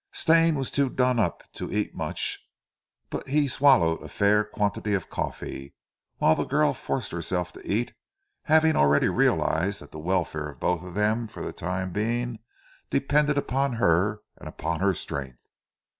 Stane was too done up to eat much, but he swallowed a fair quantity of coffee, whilst the girl forced herself to eat, having already realized that the welfare of both of them for the time being depended upon her and upon her strength.